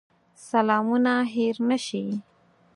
سلامونه هېر نه شي.